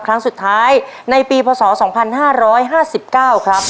ครั้งสุดท้ายในปีพศ๒๕๕๙ครับ